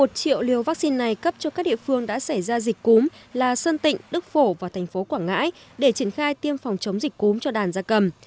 một triệu liều vaccine này cấp cho các địa phương đã xảy ra dịch cúm là sơn tịnh đức phổ và thành phố quảng ngãi để triển khai tiêm phòng chống dịch cúm cho đàn gia cầm